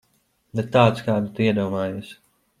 Ne tāds, kādu tu iedomājies.